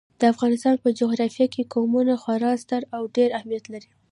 د افغانستان په جغرافیه کې قومونه خورا ستر او ډېر اهمیت لري.